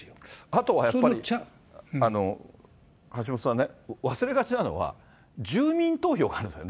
あとはやっぱり、橋下さんね、忘れがちなのは、国民投票。